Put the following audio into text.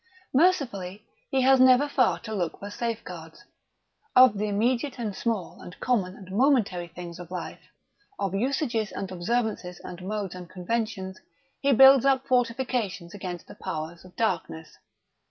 Mercifully, he has never far to look for safeguards. Of the immediate and small and common and momentary things of life, of usages and observances and modes and conventions, he builds up fortifications against the powers of darkness.